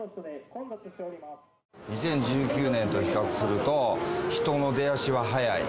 ２０１９年と比較すると、人の出足は早い。